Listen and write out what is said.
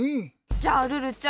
じゃあルルちゃん。